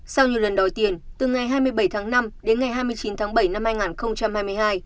sau nhiều lần đòi tiền từ ngày hai mươi bảy tháng năm đến ngày hai mươi chín tháng bảy năm hai nghìn hai mươi hai